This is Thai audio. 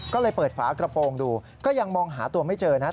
ก็เลยเปิดฝากระโปรงดูก็ยังมองหาตัวไม่เจอนะครับ